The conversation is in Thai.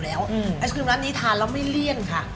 ไอศครีมร้านนี้ทานแล้วไม่เลี่ยนค่ะ